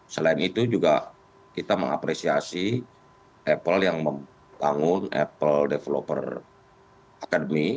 selain itu juga kita mengapresiasi apple yang membangun apple developer academy